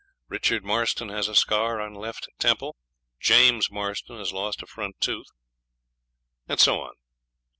Richard Marston has a scar on left temple. James Marston has lost a front tooth,' and so on.